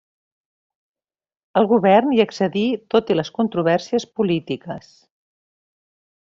El govern hi accedí tot i les controvèrsies polítiques.